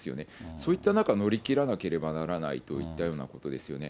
そういった中乗り切らなければならないといったようなことですよね。